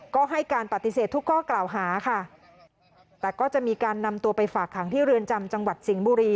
ก็ให้การปฏิเสธทุกข้อกล่าวหาค่ะแต่ก็จะมีการนำตัวไปฝากขังที่เรือนจำจังหวัดสิงห์บุรี